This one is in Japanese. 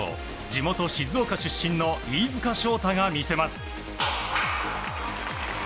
地元・静岡出身の飯塚翔太が見せます。